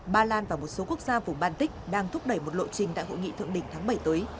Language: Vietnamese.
ba lan và một số quốc gia vùng baltic đang thúc đẩy một lộ trình tại hội nghị thượng đỉnh tháng bảy tới